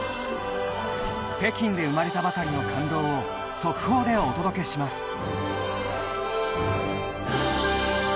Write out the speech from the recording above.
北京で生まれたばかりの感動を速報でお届けします。